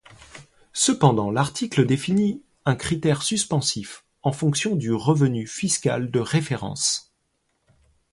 Cependant, l'article définit un critère suspensif en fonction du revenu fiscal de référence.